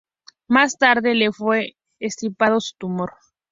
Más tarde, le fue extirpado su tumor.